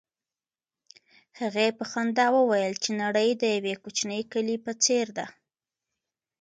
هغې په خندا وویل چې نړۍ د یو کوچني کلي په څېر ده.